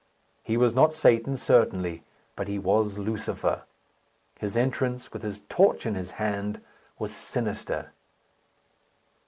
He was not Satan, certainly; but he was Lucifer. His entrance, with his torch in his hand, was sinister.